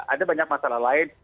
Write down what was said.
ada banyak masalah lain